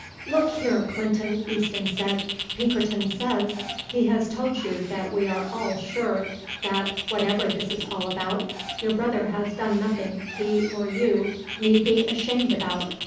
"Look here, Clinton," Easton said, "Pinkerton says he has told you that we are all sure that, whatever this is all about, your brother has done nothing he or you need be ashamed about.